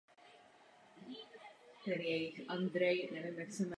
Bretaň a její obyvatelé jsou také hlavním tématem jeho děl.